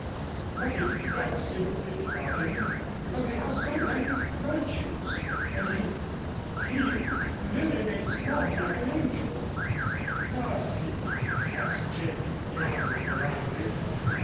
But it does seem a pity about him because he has so many virtues and he he really makes love like an angel." "Does he?" asked Jane, yawning politely.